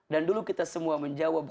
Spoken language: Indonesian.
dan dulu kita semua menjawab